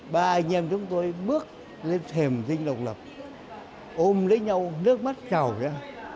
ba anh em chúng tôi bước lên thềm dinh độc lập ôm lấy nhau nước mắt trào ra